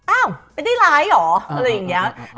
ไม่ได้ร้ายเหรออะไรอย่างนี้